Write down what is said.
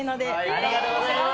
ありがとうございます！